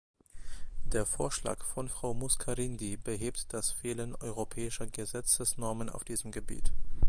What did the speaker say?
Der Vorschlag von Frau Muscardini behebt das Fehlen europäischer Gesetzesnormen auf diesem Gebiet.